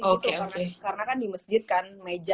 oke oke karena kan di masjid kan meja